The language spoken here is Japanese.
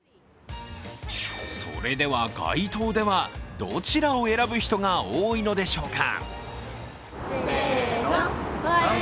それでは街頭ではどちらを選ぶ人が多いのでしょうか。